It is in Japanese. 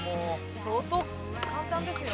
相当簡単ですよ。